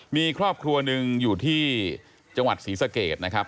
มีครอบครัวหนึ่งอยู่ที่จังหวัดศรีสะเกดนะครับ